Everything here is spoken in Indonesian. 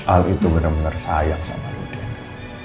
al itu benar benar sayang sama lu dini